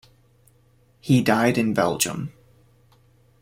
He died in Belgium.